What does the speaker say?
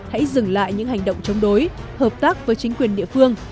hãy dừng lại những hành động chống đối hợp tác với chính quyền địa phương